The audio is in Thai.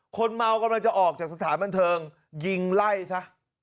คนเมากำลังจะออกจากสถานบันเทิงยิงไล่ซะ